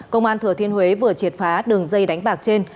công an thừa thiên huế vừa triệt phá đường dây đánh bạc trên